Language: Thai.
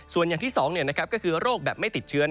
ส่วนอย่างที่๒ก็คือโรคแบบไม่ติดเชื้อ